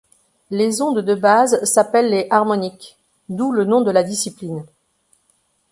Les ondes de base s'appellent les harmoniques, d'où le nom de la discipline.